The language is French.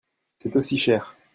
C'est aussi cher.